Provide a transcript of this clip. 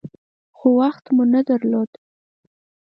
خو وخت مو نه درلود .